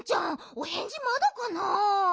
おへんじまだかな？